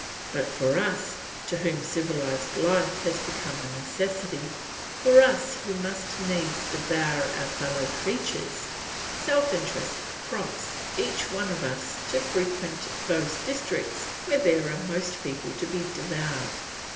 But for us, to whom civilised life has become a necessity, for us who must needs devour our fellow creatures, self interest prompts each one of us to frequent those districts where there are most people to be devoured.